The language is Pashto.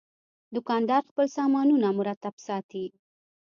دوکاندار خپل سامانونه مرتب ساتي.